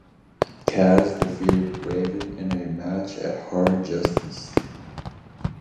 Kaz defeated Raven in a match at Hard Justice.